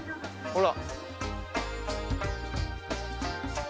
ほら。